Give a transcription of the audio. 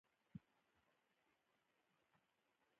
له خدايه مې داسې موقع غوښته.